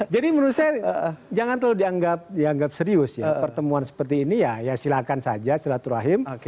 menurut saya jangan terlalu dianggap serius ya pertemuan seperti ini ya silakan saja silaturahim